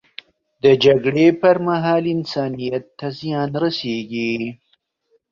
د جګړې پر مهال، انسانیت ته زیان رسیږي.